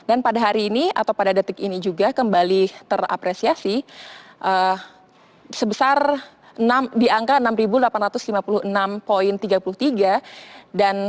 dan pada hari ini atau pada detik ini juga kembali terapresiasi sebesar di angka enam delapan ratus lima puluh enam tiga puluh tiga